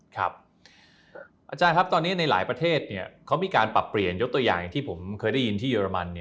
อาจารย์ครับตอนนี้ในหลายประเทศเขามีการปรับเปลี่ยนยกตัวอย่างที่ผมเคยได้ยินที่เรมัน